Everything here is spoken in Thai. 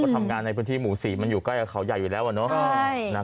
ทำงานในพื้นที่หมู่๔มันอยู่ใกล้กับเขาใหญ่อยู่แล้วอะเนาะ